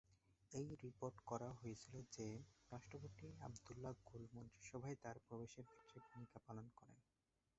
এটি রিপোর্ট করা হয়েছিল যে রাষ্ট্রপতি আবদুল্লাহ গুল মন্ত্রিসভায় তার প্রবেশের ক্ষেত্রে ভূমিকা পালন করেন।